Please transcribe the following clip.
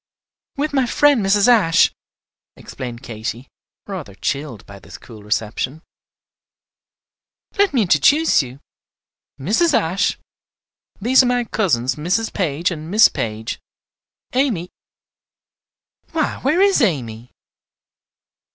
"With my friend Mrs. Ashe," explained Katy, rather chilled by this cool reception. "Let me introduce you. Mrs. Ashe, these are my cousins Mrs. Page and Miss Page. Amy, why where is Amy?"